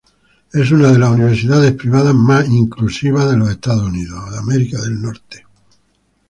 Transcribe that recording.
Es una de las universidades privadas más exclusivas de los Estados Unidos.